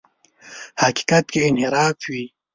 حقیقت کې انحراف وي.